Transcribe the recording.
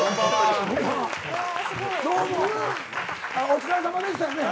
どうもお疲れさまでしたやね。